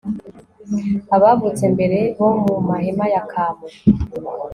abavutse mbere bo mu mahema ya kamu